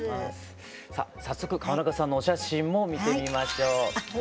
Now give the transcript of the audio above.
さあ早速川中さんのお写真も見てみましょう。